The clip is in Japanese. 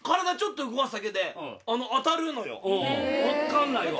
分かんないわ。